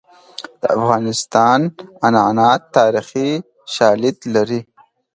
د افغانستان عنعنات تاریخي شالید لري.